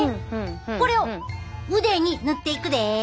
これを腕に塗っていくで！